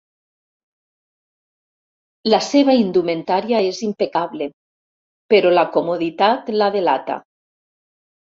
La seva indumentària és impecable, però la comoditat la delata.